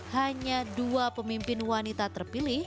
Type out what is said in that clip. hanya dua pemimpin wanita terpilih